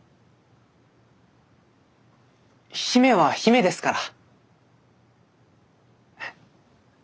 姫は姫ですから。